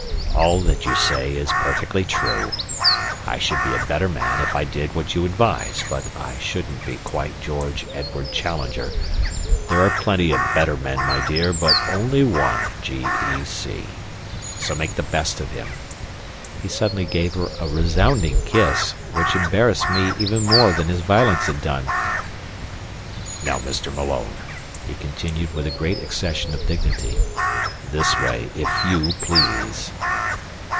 "All that you say is perfectly true. I should be a better man if I did what you advise, but I shouldn't be quite George Edward Challenger. There are plenty of better men, my dear, but only one G. E. C. So make the best of him." He suddenly gave her a resounding kiss, which embarrassed me even more than his violence had done. "Now, Mr. Malone," he continued, with a great accession of dignity, "this way, if YOU please."